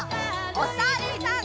おさるさん。